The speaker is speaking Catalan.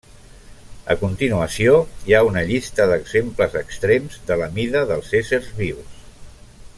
A continuació, hi ha una llista d'exemples extrems de la mida dels éssers vius.